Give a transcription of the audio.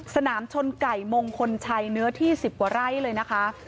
สนามชนไก่มงคลชัยเนื้อที่๑๐กว่าไร่เลยนะคะ